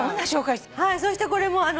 そしてこれも。